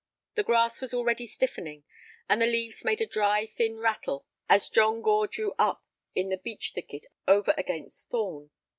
The grass was already stiffening, and the leaves made a dry thin rattle as John Gore drew up in the beech thicket over against Thorn.